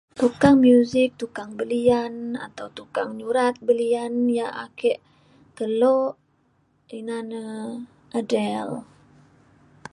tukang muzik tukang belian atau tukang nyurat belian yak ake kelo ina na Adele.